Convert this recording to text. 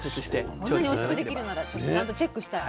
こんなにおいしくできるんならちゃんとチェックしたい。